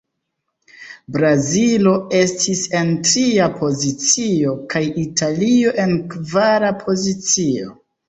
Brazilo estis en tria pozicio, kaj Italio en kvara pozicio.